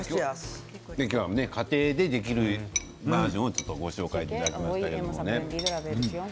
今日は家庭でできるバージョンをご紹介いただきました。